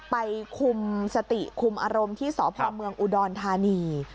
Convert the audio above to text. คุมสติคุมอารมณ์ที่สพเมืองอุดรธานี